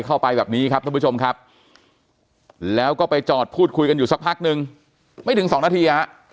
เข้าไปแบบนี้ครับนะแล้วไปจอดพูดคุยกันอยู่สักพักนึงแค่๒นาที